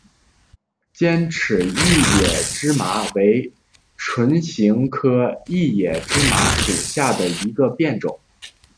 尖齿异野芝麻为唇形科异野芝麻属下的一个变种。